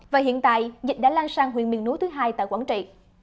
và hiện tại dịch đã lan sang huyện miền núi thứ hai tại quảng trị